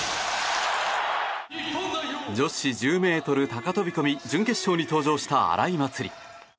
女子１０ｍ高飛込準決勝に登場した荒井祭里。